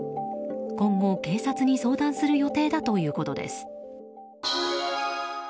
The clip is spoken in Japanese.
今後警察に相談する予定だということです。